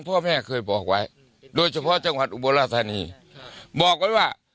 พ่อแม่เคยบอกไว้โดยเฉพาะจังหวัดอุบลธานีบอกไว้ว่า